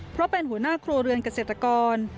เพราะเป็นหัวหน้าครัวเรือนเกษตรกร